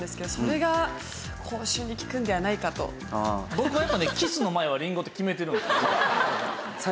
僕はやっぱりねキスの前はりんごって決めてるんで。